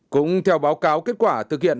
cũng theo báo cáo kết quả thực hiện